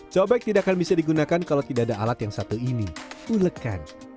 cobek tidak akan bisa digunakan kalau tidak ada alat yang satu ini ulekan